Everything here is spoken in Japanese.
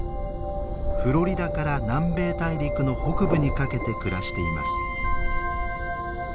フロリダから南米大陸の北部にかけて暮らしています。